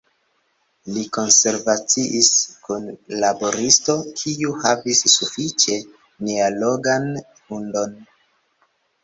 Li konversaciis kun laboristo, kiu havis sufiĉe neallogan hundon.